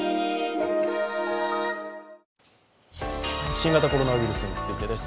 新型コロナウイルスについてです。